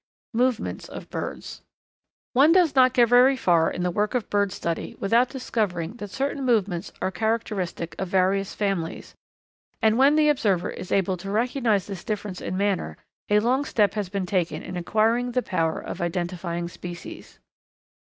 Movements of Birds. One does not get very far in the work of bird study without discovering that certain movements are characteristic of various families; and when the observer is able to recognize this difference in manner a long step has been taken in acquiring the power of identifying species.